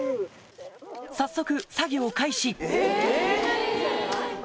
早速作業開始